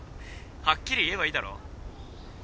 はっきり言えばいいだろ？